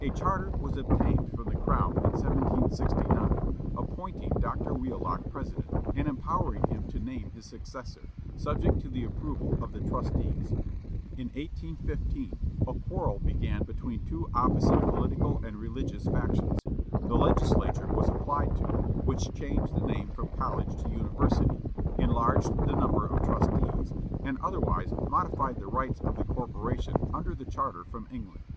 A charter was obtained from the Crown in 1769, appointing Dr. Wheelock president, and empowering him to name his successor, subject to the approval of the trustees. In 1815 a quarrel began between two opposite political and religious factions. The Legislature was applied to, which changed the name from college to university, enlarged the number of trustees, and otherwise modified the rights of the corporation under the charter from England.